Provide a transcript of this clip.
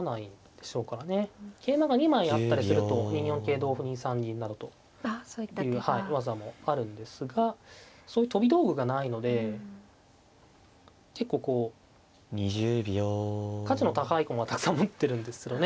桂馬が２枚あったりすると２四桂同歩２三銀などという技もあるんですがそういう飛び道具がないので結構こう価値の高い駒たくさん持ってるんですけどね。